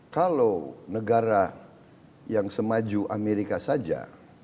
kalau negara yang semaju amerika saja